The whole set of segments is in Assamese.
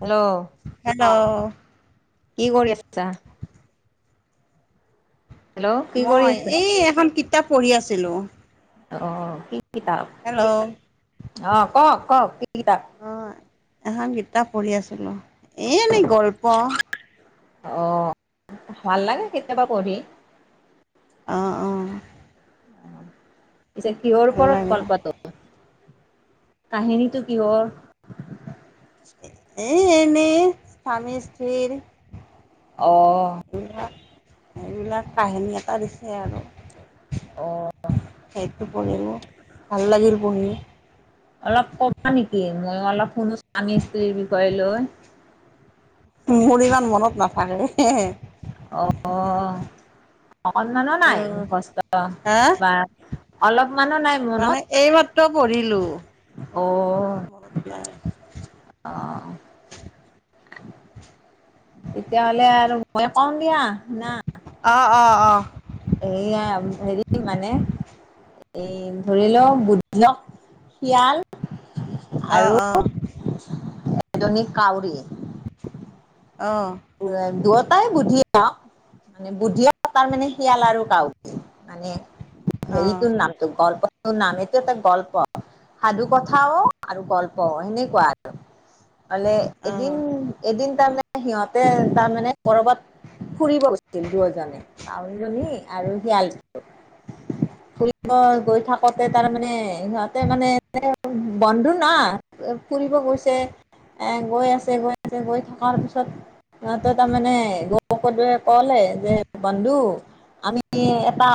হেল্ল' হেল্ল' কি কৰি আছা হেল্ল' কি কৰি মই আছে? এই এখন কিতাপ পঢ়ি আছিলো আহ কি কিতাপ আহ কওক কওক কি কিতাপ অঁ এখন কিতাপ পঢ়ি আছিলো এনেই গল্প আহ ভাল লাগে কেতিয়াবা পঢ়ি অঁ অঁ পিছে কিহৰ ভাল ওপৰত লাগে কল পাতত কাহিনীতো কিহৰ এ এনেই স্বামী স্ত্ৰীৰ অ' এইবিলাক এইবিলাক কাহিনী এটা দিছে আৰু অ সেইটো পঢ়িলো ভাল লাগিল পঢ়ি অলপ কবা নেকি মই অলপ শুনো স্বামী স্ত্ৰীৰ বিষয়ে লৈ মোৰ ইমান মনত নাথাকে। অ অকনমানো নাই অঁ কষ্ট হা বা অলপমানো নাই মনত কৰিলো অ াই [unintelligible] আহঁ তেতিয়াহলে আৰু মই কম দিয়া না অঁ অঁ অঁ এয়া হেৰি মানে এ ধৰিওক বুধিয়ক শিয়াল অঁ আৰু অঁ এজনী কউৰী [unintelligible] দুয়টাই বুদ্ধি মানে বুদ্ধি তাৰ মানে শিয়াল আৰু কাউ মানে হেৰি অঁ তোৰ নামটোৰ গল্প তোৰ নাম এইটো এটা গল্প সাধু কথাও আৰু গল্প সেনেকুৱা আৰু মানে এদিন এদিন তাৰমানে সিহঁতে তাৰমানে কৰবাত ফুৰিব গৈছিল দুয়জনে কাউৰীজনী আৰু শিয়াল ফুৰিব গৈ থাকোতে তাৰমানে সিহতে মানে বন্ধু ন ফুৰিব গৈছে এ গৈ আছে গৈ আছে গৈ থকাৰ পিছত তহতে তাৰমানে লগ বন্ধুৱে কলে যে বন্ধু আমি এটা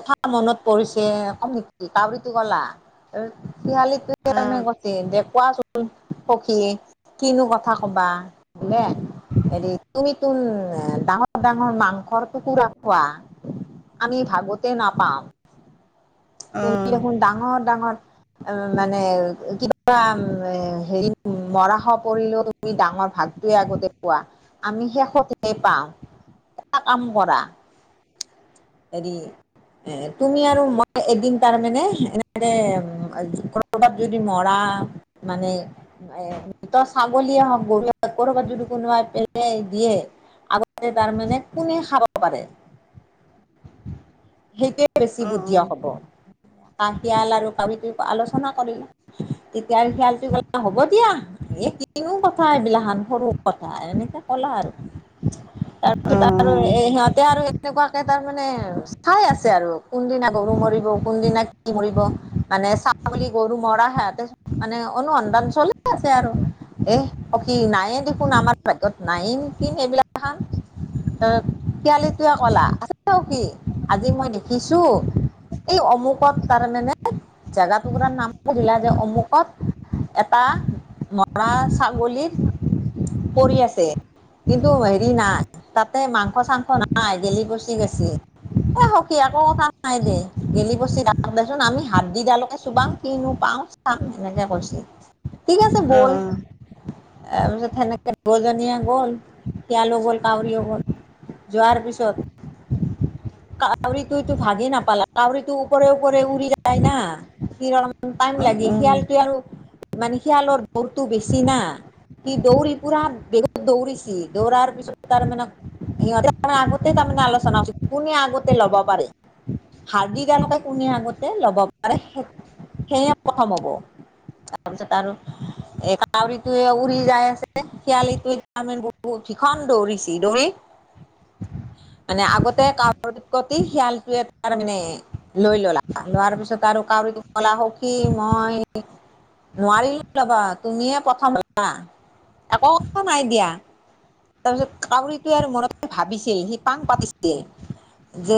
কথা মনত পৰিছে কম কাউৰীটো কলা শহালীত আমে গছে দে [unintelligible] কোৱাচোন সখী কিনো কথা কবা বোলে হেৰি তুমিচোন ডাঙৰ ডাঙৰ মাংসৰ টুকুৰা খোৱা আমি ভাগতে নাপাম তুমি দেখোন ডাঙৰ ডাঙৰ মানে কিবাম্ হেৰি মৰা পৰিলেও তুমি [unintelligible] ডাঙৰ ভালটোৱে আগতে কোৱা, আমি শেষতে পাওঁ, এটা কামকৰা। হেৰি এ, তুমি আৰু মই এদিন তাৰমানে, এনেকে কৰবাত যদি মৰা মানে এ, ছাগলীয়ে হওক গৰুৱে কৰবাত যদি কোনোবাই পেলাই দিয়ে, আগতে তাৰমানে কোনে খাব পাৰে। [unintelligible] সেইটোৱে বেছি বুদ্ধিয় হব, কাৰণ শিয়াল আৰু কাউৰিটো আলোচনা কৰিলো। তেতিয়া শিয়ালটোয়ে কলে হ'ব দিয়া। এ, কিনো কথা এইবিলাহন সৰু কথা, এনেকে কলা আৰু। তাৰপিছত আৰু এ, সিহঁতে আৰু এনেকুৱাকে তাৰমানে চাই আছে আৰু কোনদিনা গৰু মৰিব কোনদিনা কি মৰিব মানে ছাগলী গৰু মৰা মানে অনুসন্ধান চলাই আছে আৰু, এ, সখী নায়ে দেখোন আমাৰ ভাগ্যত নাইয়েই নেকি এগলাসান, ত শিয়ালিটোৱে কলা, আছে সখী। আজি মই দেখিছো, এই অমুকত তাৰমানানে জেগা টুকুৰাৰ নাম সুধিলা, যে অমুকত। এটা মৰা ছাগলী পৰি আছে। কিন্তু হেৰি নাই, তাতে মাংস-চাংস নাই গেলি গচি গৈছে। এ, সখী একো কথা নাই দে গেলি পচি দেচোন আমি হাড়দি দালকে চুবাম, কিনো পাওঁ চাম, সেনেকে কৈছিল। ঠিক আছে বল, তাৰপিছত সেনে বয়োজনীয়ে গ'ল, শিয়ালো গ'ল কাউৰীও গ'ল যোৱাৰ পিছত কাউৰীটোৱেতো ভাবি নাপালা, কাউৰীটো ওপৰে-ওপৰে উৰি যায় না, নিৰ টাইম অ', অ', লাগে, শিয়ালটোৱে আৰু মানে শিয়ালৰ দৌৰটো বেছি না। সি দৌৰি পুৰা বেগত দৌৰিছি, দৌৰাৰ পিছত তাৰমানে সিহঁতে আগতে তাৰমানে আলোচনা, কোনে আগতে ল'ব পাৰে। হাৰ্দিদালকে কোনে আগতে ল'ব পাৰে, সেয়ে প্ৰথম হ'ব। তাৰপাছত আৰু এ, কাউৰীটোৱে উৰি যাই আছে, শিয়ালিটোৱে বহুত ভিখন দৌৰিছি, দৌৰি মানে আগত কাউৰীত কটি শিয়াল টোৱে তাৰ মানে লৈ ললা, লোৱাৰ পিছত আৰু কাউৰীটোক কলা সখী, মই নোৱাৰিলো ল'বা তুমিয়ে প্ৰথম হলা, একো নাই দিয়া। তাৰপিছত কাউৰীটোৱে আৰু মনতে ভাবিছিল, সি পাং পাতিছিল। যে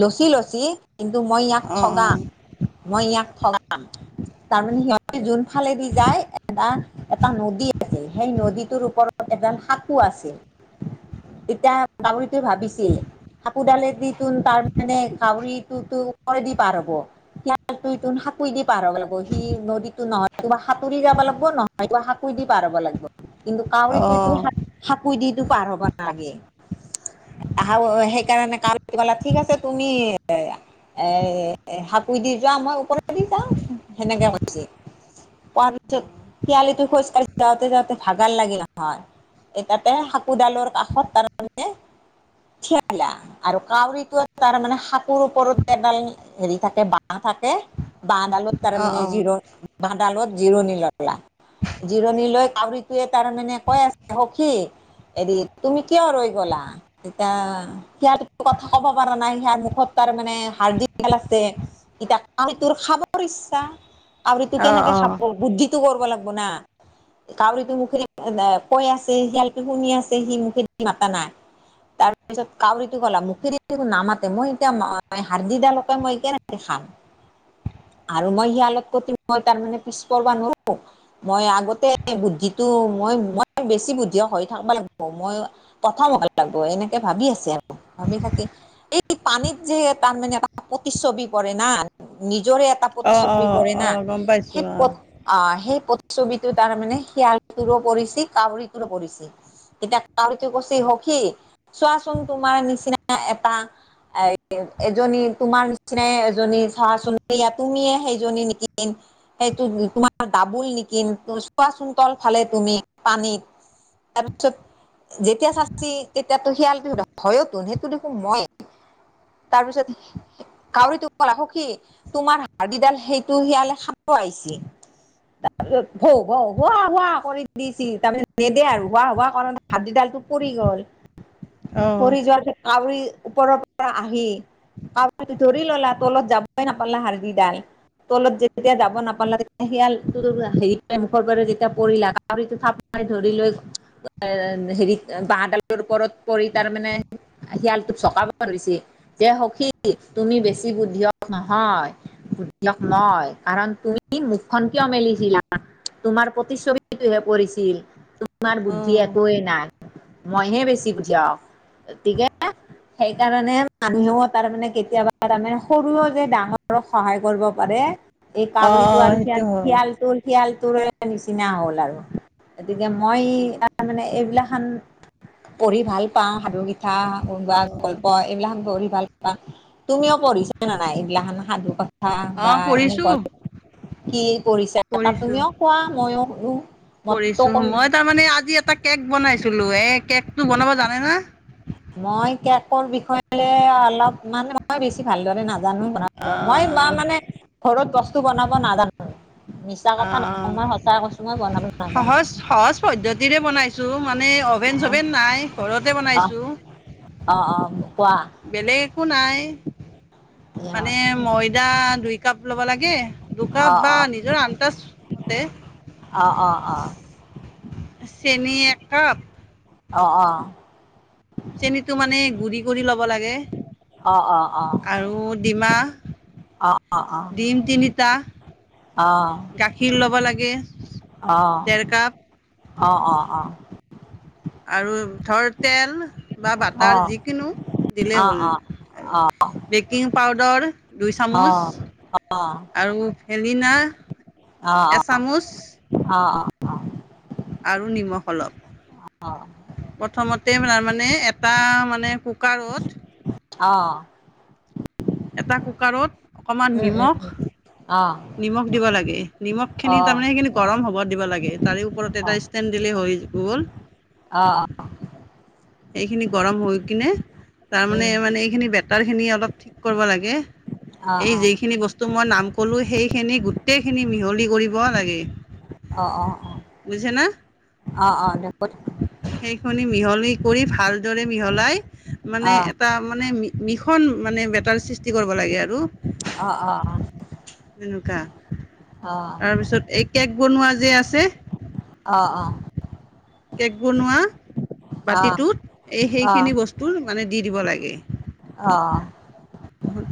লছি-লছি কিন্তু মই ইয়াক অ', ঠগাম। মই ইয়াক ঠগাম, তাৰমানে সিহঁতে যোন ফালেদি যায় এটা-এটা নদী সেই নদীটোৰ ওপৰত এডাল সাঁকো আছিল। তেতিয়া, কাউৰীটোৱে ভাবিছিল। সাঁকোৰডালেদি তোন তাৰ মানে কাউৰিটোতো ওপৰেদি পাৰ হ'ব। শিয়াল তুইতোন সাঁকোয়িদি দি পাৰ হব লাগিব, সি নদীটো নহয় তোম সাঁতুৰি যাবা লাগব, নহয় কিবা সাঁকো দি পাৰ হব লাগব। কিন্তু কাউৰীটোৱেতো সাঁক-সাঁকোয়েদি তো পাৰ হ'ব নালাগে। [inaudible] সেইকাৰণে কা [inaudible] ঠিক আছে তুমি এ, সাঁকোয়িদি যোৱা, মই ওপৰেদি যাওঁ সেনেকে কৈছি। তাৰ পিছত, শিয়ালিটো খোজকাঢ়ি যাওঁতে-যাওঁতে ভাগাৰ লাগিল নহয়। এটাতে সাকোঁদালৰ কাষত, তাৰমানে থিয়লা, আৰু কাউৰীটো তাৰ মানে সাঁকোৰ ওপৰত এডাল হেৰি থাকে বাহ থাক এ, বাঁহডালত তাৰ মানে জিৰ-জিৰণী ললা। জিৰণি লৈ কাউৰীটোৱে তাৰ মানে কৈ আছে সখী হেৰি তুমি কিয় ৰৈ গলা?। তেতিয়া সিয়াাত কথা কব পাৰা নাই সাৰ মুখত তাৰ মানে হাৰ্াল আছে ইতয়া আ তোৰ খাবাৰ ইচ্ছা আ তু অ', কেনেকে খাব বুদ্ধি কৰিব লাগিব ন কাউৰীটো মুখেদি কৈ আছে শাল শুনি আছে সি মুখে দি মাতা নাই তাৰপিছত কাউৰীটো গলা মুখে নামাতে মই এতিয়া হাৰ্দিিডালকে মই এক খাম [inaudible] আৰু মই শিয়ালত প্ৰতি মই তাৰ মে পিছপবা নোৱাৰো মই আগতে বুদ্ধিটো মই বেছি বুদ্ধি হৈ থাকব লাগিব মই প্ৰথম হ'ব লাগিব এনেকে ভাবি আছে আৰু ভাবি থাকি এই পানীত যে তাৰমানানে এটা প্ৰতিচ্ছবি পৰে না নিজৰে এটা অ', প্ৰতিচ্ছবি অ', পৰে না অ', গম পাইছোঁ সেই প অ', সেই ছবিটোো তাৰ মানে শিয়ালটোৰো পৰিছে কাউৰীটোো পৰিছে এতিয়া কাউৰীটো কছে সখি চোৱাচোন তোমাৰ নিচিনা এটা এ এজনী তোমাৰ নিচিনাই এজনী চাহা চ তুমিয়ে সেইজনী নিক সেইটো তোমাৰ ডাবোুল নিকিন চোৱা চন্তল খালে তুমি পানীত তাৰপিছত যেতিয়া চাি এতিয়াতো শিয়াল বিহুত হয়য়তোন সেইটো দেখোন মই তাৰ পিছত কাউৰীটো কলা সখি তোমাৰ হড় দিডাল সেইটো শিয়াল পাইছে তাৰপিছত ভ ভ হুৱ হুৱ কৰি দিছ তাৰমানে নেদে আৰু হোৱা হোৱা কাৰণ ভাত দিডালটো পৰি গল অ', পৰি যোৱাৰ কাউৰ ওপৰৰ পৰা আহি কাৰবাৰ ধৰি ললা তলত যাবই নাপালা হাৰ্ দিি ডাল তলত যেতিয়া দাব নাপালা তেতিয়া শিয়াল হেৰি মুখৰ বাৰ যেতিয়া পৰিলা ধৰি লৈ এ হেৰিত বাঁাহডালৰ ওপৰত পৰি তাৰ মমানে শিয়ালটোোক চকাব ধৰিছে যে সখী তুমি বেছি বুদ্ধি হক নহয় সুধ লক মই কাৰণ তুমি মুখখন কিয় মেলিছিলা তোমাৰ প্ৰতিচ্ছবিটোহে পৰিছিল তোমাৰ অ', বুদ্ধি অ', একোৱেই নাই মইহে বেছি পুঠিয়া িকে সেইকাৰণে মানুহেও তাৰমানানে কেতিয়াবা তাৰমানে সৰুও যে ডাঙৰক সহায় কৰিব পাৰে এই অ কাউৰীটো আৰু সেইটো হয়। খিয়াল তোৰ খিয়াল তোৰ নিচিনা হ'ল আৰু গতিকে মই ত মানে এইবিলাকান পঢ়ি ভাল পাওঁ সাধুকীত কথা কোন বাা অ', গল্প এইবিলাক ভাল পা তুমিও পঢ়িছা নে নাই এইবিলাখ সাধু কথা হ বা অ', এনেকুৱা পঢ়িছোঁ, কি কৰিছা তুমিও কোৱা মইও শুনো মইতো কৰিছো কৰো মই তাৰমানানে আজি এটা কেক বনাইছিলো এ কেক টো বনাব জানে না মই কেকৰ বিষয়ে অলপ মানে মই বেছি ভালদৰে নাজো নাজানো ব মই ম অ', মানে ঘৰত বস্তু বনাব নাজানো মিছা কথাাত অ', মই সঁচাইৈো মই বনাব ন সহজ সহজ পদ্ধতিৰে বনাইছোঁ মানে অ'ভেন চভেন নাই ঘৰতে অ বনাইছোঁ অ অ কোৱা বেলেগ একো নাই কি হয় মানে ময়দা দুই কাপ ল'ব লাগে দুকাপ অ বা নিজৰ আনন্ত মতেে অ অ অ চেনি এক কাপ অ অ চেনীতটো মানে গুৰি কৰি ল অ অ অ অ অ অ আৰু ডমা অ অ অ ডিম তিনিটা গাখীৰ লব লাগে আহ ডেৰ কাপ আহ অ আহ আৰু কাঠৰ তেল বা বাটাৰ যিকিনো দিলেই হ'ল আৰু বেকিং পাউদাৰ দুই চামুচ আৰু ফেলিনা এচামুচ আৰু নিমখ অলপ প্ৰথমতে তাৰ মানে এটা মানে কুকাৰত অ এটা কুকাৰত অকণমান উম উম নিমখ উম অ নিমখ দিব লাগে নিমখ খিনি তাৰমানে সেইখিনি গৰম হব দিব লাগে তাৰে ওপৰত অ অ এটা ষ্টেড দিলে হৈ কল অ অ এইখিনি গৰম হৈ কিনে তাৰমানে মানে এইখিনি ব তাৰখিনি অলপ ঠিক কৰিব লাগে এই অ', যিখিনি বস্তু টো মই নাম ক'লোঁ সেইখিনি গোটেইখিনি মিহলি কৰিব লাগে অ অ অ বুজিছেনে অ অ দেত মিি কৰি ভাল মিহাই মানে এ মানে মানে বেটাৰ সৃষ্টি কৰিব লাগে আৰু নককাা তাৰপিছত এই কেক বনোৱা যে আছে অ অ কেক বনোৱা বাতিটোত এই সেইখিনি বস্তু মানে দি দিব লাগে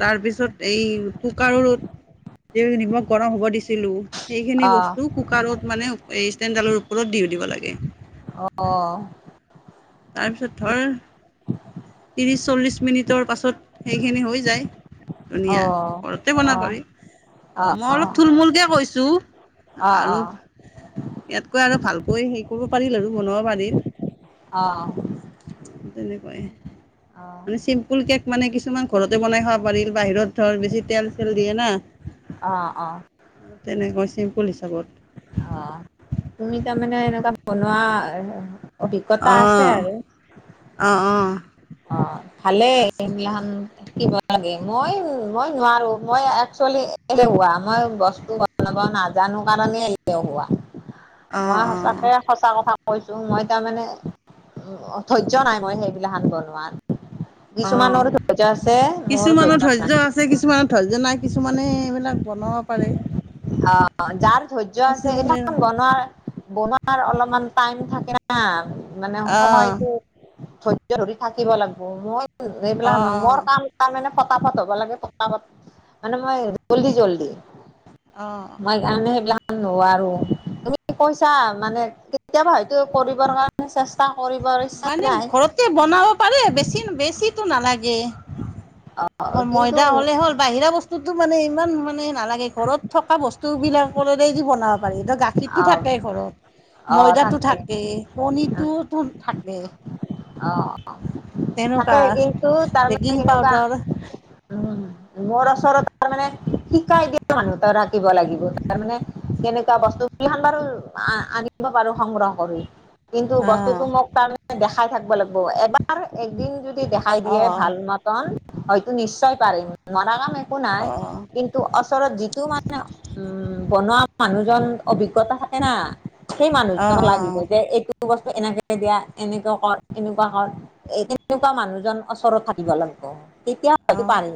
তাৰপিছত এই পকাৰো ৰদ নিমই গৰম হ'ব দিছিলোঁ সেইখিনি অ', বস্তু কুকাৰত মানে এই তেণ্ডালৰ ওপৰত দিও দিব লাগে আহ তাৰপিছত ধৰ ত্ৰছ চল্লিছ মিনিটৰ পাছত সেইখিনি হৈ যায় ধুনীয়া ঘৰতে বনাব পাৰি মই অলপ থুলমূুলকে কৈছো চু আৰু ইয়াতকৈ আৰু ভাল গৈ হেৰি কৰিব পাৰিল আৰু বনাব পাৰিল অ তেনেকুৱাই অ মানে চিম্পুল কেক মানে কিছুমান ঘৰতে বনাই খাব পাৰিল বাহিৰত ধৰ বেছি তেল চেল দিয়ে না অ অ তেনেকৈ চিম্পুল হিচাপত অ তুমি তাৰমানে এনেকুৱা বনোৱা অভিজ্ঞতা আছে অঁ আৰু অঁ অঁ অ ভালে আছে সগিলাখান মই মই নোৱাৰো মই এক এ হ মই বস্তু বনাব ন নাজানো কাৰণে হোৱা অঁ মই অঁ সঁচাকে সঁচা কথা কৈছোঁ মই তাৰমানে ধৈৰ্য্য নাই মই সেইবিলাান বনোৱাত অ কিছুমানৰ ধৈৰ্য্য নাই। ধৈৰ্য আছে কিছুমানৰ ধৈৰ্য্য নাই কিছুমানে এইবিলাক হব পাৰে অ যাৰ ধৈৰ্য আছে এই কিছুমানে বনোৱা বনোৱাৰ অলপমান টাইম থাকে ন মানে অঁ সময়টোো ধৈৰ্য ধৰি থাকিব লাগিব মই এইবিলাক অঁ মোৰ কাম তাৰ মানে পতাপাত হ'ব লাগে পতাপাত মানে মই জল্দি জল্দি অঁ অঁ মই কাৰে সেইবিলাক ন আৰু কি কইছা মানে কেতিয়াবা হয়তো কৰিবৰ কাৰণে চেষ্টা কৰিবৰ ইচ্ছা মানে যায় ঘৰতে বনাব পাৰে বেছি বেছিো নালাগে অকল ময়দা কিন্তু হ'লে হ'ল বাহিৰা বস্তুতো মানে ইমান মানে নালাগে ঘৰত থকা বস্তু বিলাক য বনাব পাৰি এই গাখীৰতটো অ', থাকে ঘৰত অ', ময়দাতটো তাকে থাকে কনীৰটো থাকে অ অ থাকে তেনেকুৱা কিন্তু তাৰমানে বেকিং কেনেকুৱা পাউদাৰ মোৰ ওচৰত তাৰ মানে শিকাই দিয়া মানুহ ত আঁকিব লাগিব তাৰ মানে কেনেকুৱা বস্তু কিখন বাৰো আনিব পাৰো সংগ্ৰহ কৰি কিন্তু অঁ বস্তুতটো মোক তাৰমানে দেখাই থাকিব লাগিব এবাৰ একদিন যদি দেখাই দিয়ে অঁ ভাল মতন হয়তো নিশ্চয় পাৰিম নৰা কাম একো অঁ নাই অঁ কিন্তু ওচৰত যিটো মানে উম বনোৱা মানুহজন অভিজ্ঞতা থাকে না সেই অঁ মানুহজনক লাগিব যে এইটো বস্তু এনেকে দিয়া এনেকুৱা কৰ এনেকুৱা কৰ এ তেনেকুৱা মানুহজন ওচৰত থাকিব লাগিব তেতিয়া অঁ হয়তো অঁ পাৰি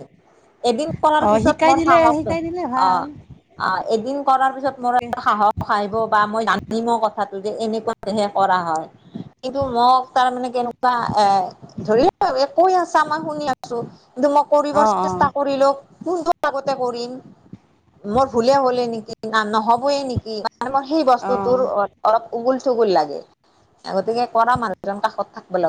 এদিন কৰাৰ অঁ পিছত শিকাই মোৰ দিলে সাহস শিকাই দিলে ভাল অ এদিন কৰাৰ পিছত মোৰ তাকে সাহস আহিব বা মই জানিম কথাতো এনেকুৱাহে কৰা হয় কিন্তু মোক তাৰ মানে কেনেকুৱা এ ধৰি কৈ আছা মই শুনি আছো কিন্তু মই কৰিব অঁ অঁ চেষ্টা কৰিলো কোনটো আগতে কৰিম মোৰ ভুলে হলে নেকি না নহবয়ে নেকি আৰু মই সেই অঁ বস্তুটোৰ অলপ উগুল থুগুল লাগে গতিকে কৰা মানুহ কাষত থাকিব লাগে